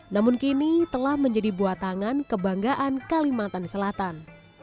namun kini telah menjadi buatangan kebanggaan kalimantan selatan